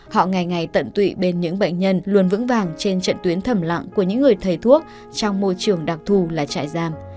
họ ngày ngày tận tụy bên những bệnh nhân luôn vững vàng trên trận tuyến thầm lặng của những người thầy thuốc trong môi trường đặc thù là trại giam